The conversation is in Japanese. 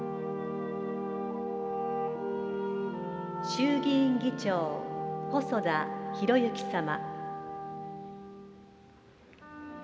衆議院議長、細田博之様。